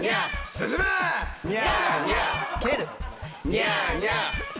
ニャーニャー。